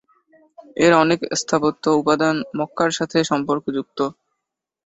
এর অনেক স্থাপত্য উপাদান মক্কার সাথে সম্পর্কযুক্ত।